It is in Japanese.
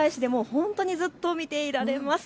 本当にずっと見ていられます。